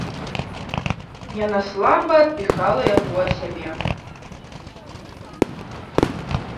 Яна слаба адпіхала яго ад сябе.